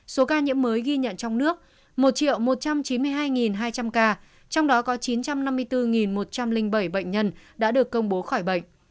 số ca nhiễm mới ghi nhận trong nước một một trăm chín mươi hai hai trăm linh ca trong đó có chín trăm năm mươi bốn một trăm linh bảy bệnh nhân đã được công bố khỏi bệnh